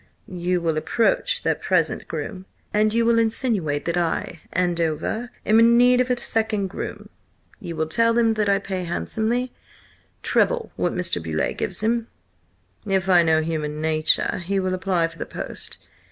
"You will approach their present groom, and you will insinuate that I, Andover, am in need of a second groom. You will tell him that I pay handsomely–treble what Mr. Beauleigh gives him. If I know human nature, he will apply for the post.